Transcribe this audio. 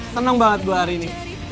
senang banget dua hari ini